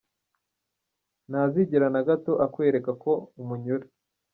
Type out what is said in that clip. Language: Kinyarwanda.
Ntazigera na gato akwereka ko umunyura.